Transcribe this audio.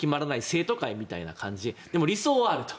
生徒会みたいな感じでも理想はあると。